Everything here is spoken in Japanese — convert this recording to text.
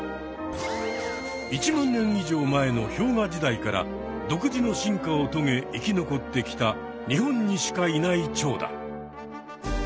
１万年以上前の氷河時代から独自の進化をとげ生き残ってきた日本にしかいないチョウだ。